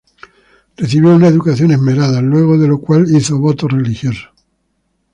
Recibió una educación esmerada, luego de lo cual hizo votos religiosos.